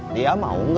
dia mau gak